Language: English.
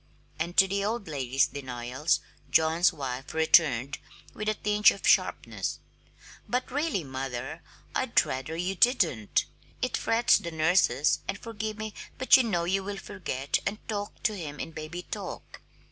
And to the old lady's denials John's wife returned, with a tinge of sharpness: "But, really, mother, I'd rather you didn't. It frets the nurses and forgive me but you know you will forget and talk to him in 'baby talk'!"